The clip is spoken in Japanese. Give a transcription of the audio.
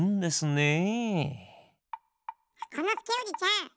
箱のすけおじちゃん。